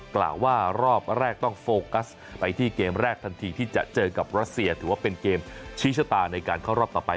กล่าวว่ารอบแรกต้องโฟกัสไปที่เกมแรกทันทีที่จะเจอกับรัสเซียถือว่าเป็นเกมชี้ชะตาในการเข้ารอบต่อไป